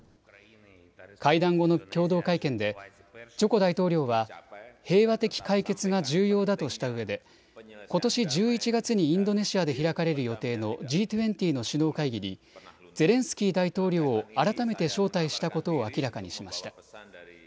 会談後の共同会見でジョコ大統領は平和的解決が重要だとしたうえでことし１１月にインドネシアで開かれる予定のＧ２０の首脳会議にゼレンスキー大統領を改めて招待したことを明らかにしました。